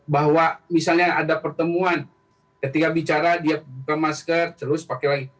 bahwa misalnya ada pertemuan ketika bicara dia buka masker terus pakai lagi